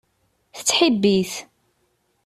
Tettḥibbi-t.